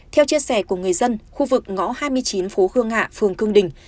theo chia sẻ của người dân khu vực ngõ hai mươi chín phố khương hạ phường khương đình